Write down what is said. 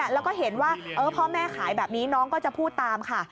แล้วก็เห็นว่าพ่อแม่ขายแบบนี้น้องก็จะพูดตามค่ะ